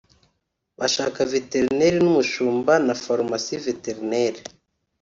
bagashaka veterineri n’umushumba na farumasi veterineri